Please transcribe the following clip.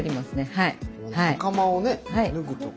はい。